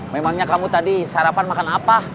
memangnya kamu tadi sarapan makan apa